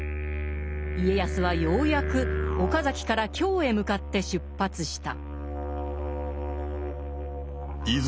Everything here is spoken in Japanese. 家康はようやく岡崎から京へ向かって出発した。